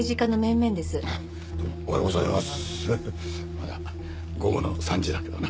まだ午後の３時だけどな。